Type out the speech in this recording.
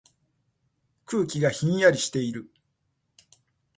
空気がひんやりしている。